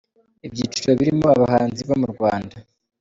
Ibyiciro birimo abahanzi bo mu Rwanda:.